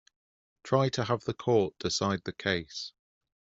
Try to have the court decide the case.